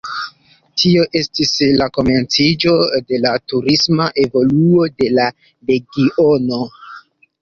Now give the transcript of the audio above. Tio estis la komenciĝo de la turisma evoluo de la regiono.